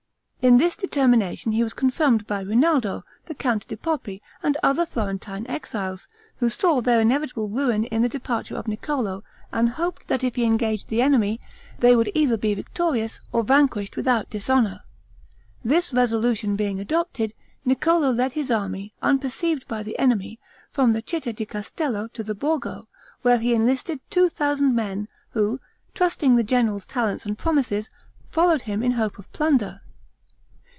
In this determination he was confirmed by Rinaldo, the Count di Poppi, and other Florentine exiles, who saw their inevitable ruin in the departure of Niccolo, and hoped, that if he engaged the enemy, they would either be victorious, or vanquished without dishonor. This resolution being adopted, Niccolo led his army, unperceived by the enemy, from Citta di Castello to the Borgo, where he enlisted two thousand men, who, trusting the general's talents and promises, followed him in hope of plunder.